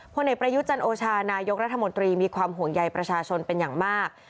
ผลเอกประยุทธ์จันโอชานายกรัฐมนตรีมีความห่วงใยประชาชนเป็นอย่างมาก